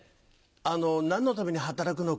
あの何のために働くのか？